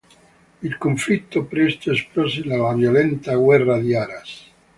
Il conflitto presto esplose nella violenta guerra di Aras.